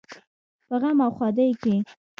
په غم او ښادۍ کې.